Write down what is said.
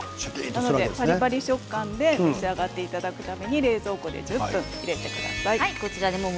パリパリ食感で召し上がっていただくために冷蔵庫で１０分入れてください。